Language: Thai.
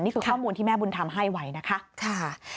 นี่คือข้อมูลที่แม่บุญธรรมให้ไว้นะคะ